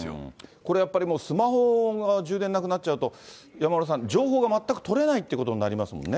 これやっぱり、スマホが充電なくなっちゃうと、山村さん、情報が全く取れないということになりますものね。